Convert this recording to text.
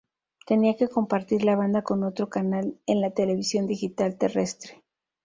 Tenía que compartir la banda con otro canal en la televisión digital terrestre.